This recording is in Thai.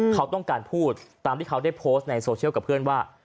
เขาต้องการพูดตามที่เขาได้โพสต์ในโซเชียลกับเพื่อนว่า